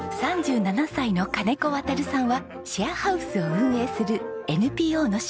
３７歳の金子航さんはシェアハウスを運営するＮＰＯの職員。